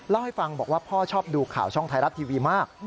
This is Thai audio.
เล่าให้ฟังบอกว่าพ่อชอบดูข่าวช่องไทยรัฐทีวีมาก